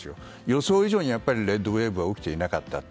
予想以上にレッドウェーブは起きていなかった。